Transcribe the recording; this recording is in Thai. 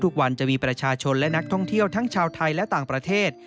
ทุกวันจะมีประชาชนและนักท่องเที่ยวทั้งชาวไทยและต่างประเทศ